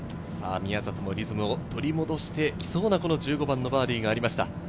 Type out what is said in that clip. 宮里もリズムを取り戻してきそうな、１５番のバーディーがありました。